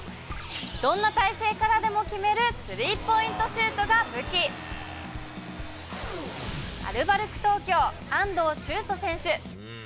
どんな体勢からでも決めれる、スリーポイントシュートが武器、アルバルク東京・安藤周人選手。